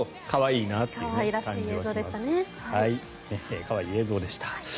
可愛い映像でした。